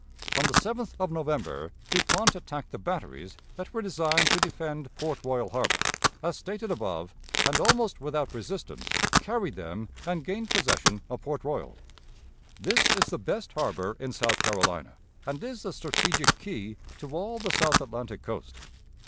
On the 7th of November Dupont attacked the batteries that were designed to defend Port Royal harbor, as stated above, and almost without resistance carried them and gained possession of Port Royal. This is the best harbor in South Carolina, and is the strategic key to all the South Atlantic coast.